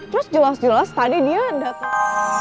terus jelas jelas tadi dia datang